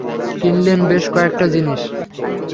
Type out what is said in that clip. কিনলেন বেশ কয়েকটা জিনিস।